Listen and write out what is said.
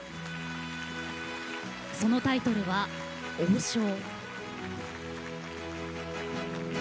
そのタイトルは「王将」。